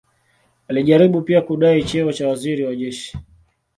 Alijaribu pia kudai cheo cha waziri wa jeshi.